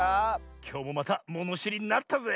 きょうもまたものしりになったぜ！